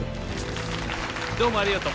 どうもありがとう。